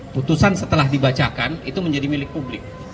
putusan setelah dibacakan itu menjadi milik publik